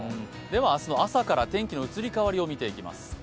明日の朝から天気の移り変わりを見ていきます。